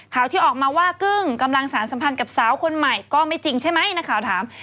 ข่าวที่ออกมาว่ากึ้งกำลังสารสัมพันธ์กับสาวคนใหม่ก็ไม่จริงใช่ไหมนักข่าวถาม